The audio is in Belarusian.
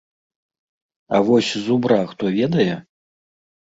А вось зубра хто ведае?